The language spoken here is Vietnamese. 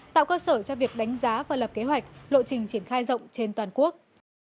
tạo cơ sở cho việc đánh giá và lập kế hoạch lộ trình triển khai rộng trên toàn quốc